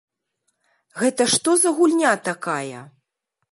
Гэта што за гульня такая?